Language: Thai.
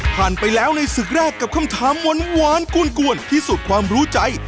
ผ่านไปแล้วในศึกแรกกับคำถามหวานกล้วนที่สุดความรู้ใจ